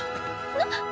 なっ？